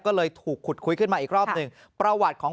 ก็เลยถูกขุดคุยขึ้นมาอีกรอบหนึ่ง